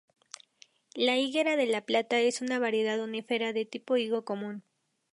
La higuera 'De La Plata' es una variedad "unífera" de tipo higo común.